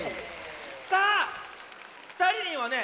さあふたりにはね